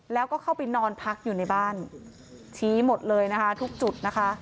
แล้วก็เข้าไปนอนพักอยู่ในบ้านชี้หมดเลยนะคะทุกจุดนะคะ